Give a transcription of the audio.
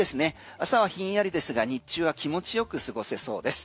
朝ひんやりですが、日中は気持ちよく過ごせそうです。